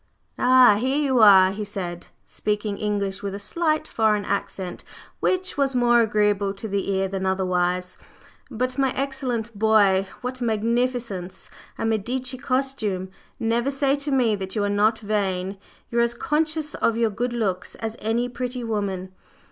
"Ah! here you are!" he said, speaking English with a slight foreign accent, which was more agreeable to the ear than otherwise. "But, my excellent boy, what magnificence! A Medici costume! Never say to me that you are not vain; you are as conscious of your good looks as any pretty woman.